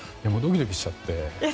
ドキドキしちゃって。